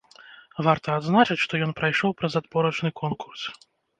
Варта адзначыць, што ён прайшоў праз адборачны конкурс.